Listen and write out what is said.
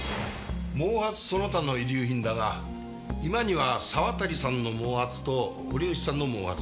毛髪その他の遺留品だが居間には沢渡さんの毛髪と折口さんの毛髪。